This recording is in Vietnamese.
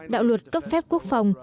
đạo luật cấp phép quốc phòng